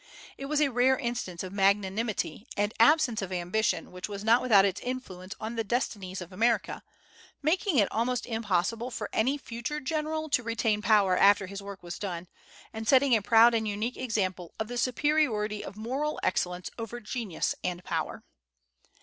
It was a rare instance of magnanimity and absence of ambition which was not without its influence on the destinies of America, making it almost impossible for any future general to retain power after his work was done, and setting a proud and unique example of the superiority of moral excellence over genius and power.